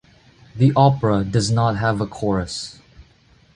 The opera does not have a chorus.